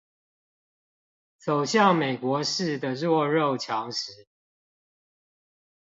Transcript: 走向美國式的弱肉強食